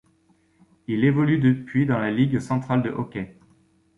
Il évolue depuis dans la Ligue centrale de hockey.